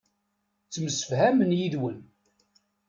Ttemsefhamen yid-wen.